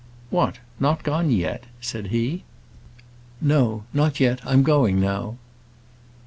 "What, not gone yet?" said he. "No, not yet; I'm going now."